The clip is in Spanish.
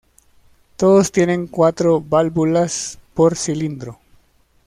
Todos tienen cuatro válvulas por cilindro.